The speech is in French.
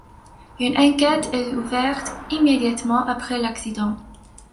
Une enquête est ouverte immédiatement après l'accident.